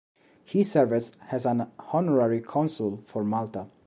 He serves as an honorary consul for Malta.